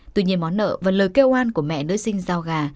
tuy nhiên món nợ và lời kêu an của mẹ nữ sinh giao gà